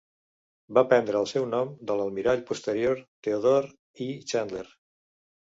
Va prendre el seu nom de l'Almirall Posterior Theodore E. Chandler.